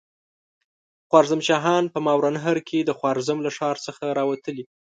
خوارزم شاهان په ماوراالنهر کې د خوارزم له ښار څخه را وتلي.